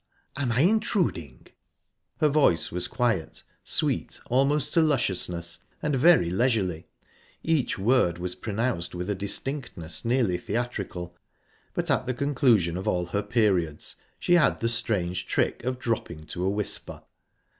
Am I intruding?" Her voice was quiet, sweet almost to lusciousness, and very leisurely. Each word was produced with a distinctness nearly theatrical, but at the conclusion of all her periods she had the strange trick of dropping to a whisper.